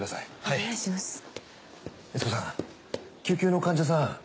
救急の患者さん